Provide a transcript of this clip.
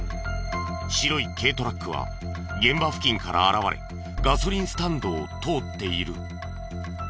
白い軽トラックは現場付近から現れガソリンスタンドを通っている。